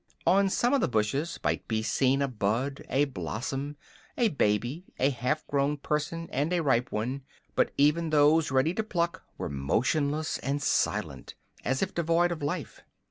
On some of the bushes might be seen a bud, a blossom, a baby, a half grown person and a ripe one; but even those ready to pluck were motionless and silent, as if devoid of life.